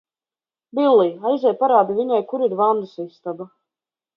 Bilij, aizej parādi viņai, kur ir vannas istaba!